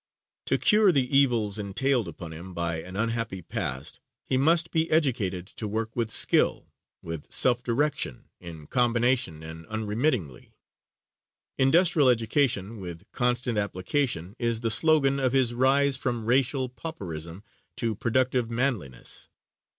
To cure the evils entailed upon him by an unhappy past, he must be educated to work with skill, with self direction, in combination and unremittingly. Industrial education with constant application, is the slogan of his rise from racial pauperism to productive manliness.